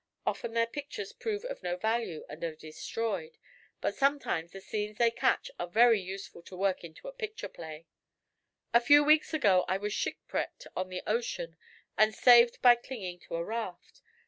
Often their pictures prove of no value and are destroyed, but sometimes the scenes they catch are very useful to work into a picture play. A few weeks ago I was shipwrecked on the ocean and saved by clinging to a raft.